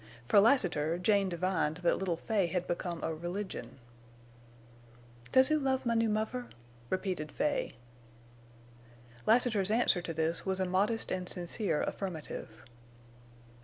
For Lassiter, Jane divined that little Fay had become a religion. "Does oo love my new muvver?" repeated Fay. Lassiter's answer to this was a modest and sincere affirmative.